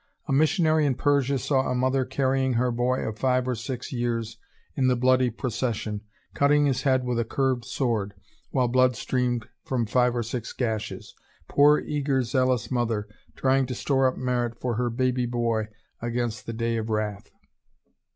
A missionary in Persia saw a mother carrying her boy of five or six years in the bloody procession, cutting his head with a curved sword, while blood streamed from five or six gashes. Poor, eager, zealous mother, trying to store up merit for her baby boy against the day of wrath!